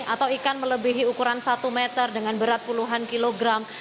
atau ikan melebihi ukuran satu meter dengan berat puluhan kilogram